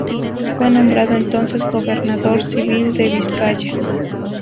Fue nombrado entonces gobernador civil de Vizcaya.